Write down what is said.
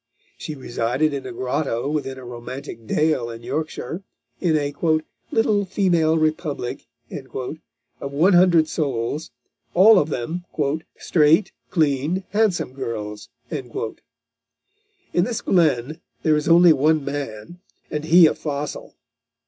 She resided in a grotto within a romantic dale in Yorkshire, in a "little female republic" of one hundred souls, all of them "straight, clean, handsome girls." In this glen there is only one man, and he a fossil.